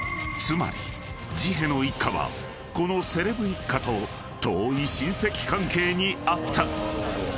［つまりジヘの一家はこのセレブ一家と遠い親戚関係にあった］